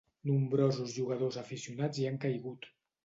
Nombrosos jugadors aficionats hi han caigut.